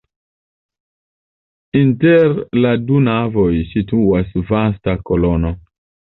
Inter la du navoj situas vasta kolono.